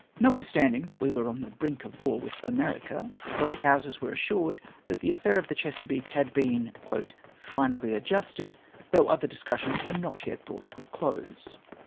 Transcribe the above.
Notwitlistanding that we were on tlie brink of war with America, both Houses were assured that the affair of the Chesapeake had been " finally adjusted, though other discussions were not yet brouglit to a close."